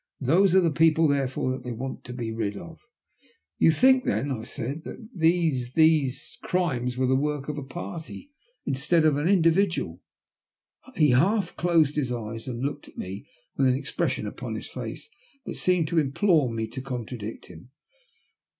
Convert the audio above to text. Those are the people, therefore, that they want to be rid of." "You think then," I said, "that these — these A STRANGE COINCIDENCE. 117 crimes were the work of a party instead of an individual ?" He half closed his eyes and looked at me with an expression upon his face that seemed to implore me to contradict him.